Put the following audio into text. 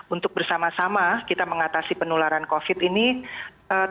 untuk bersama sama kita mengatasi penularan covid ini terjadi